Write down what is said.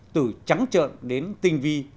từ trắng trợn đến tinh vi